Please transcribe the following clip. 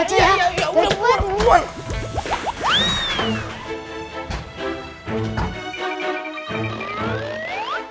iya iya udah gue mau ke klinik ini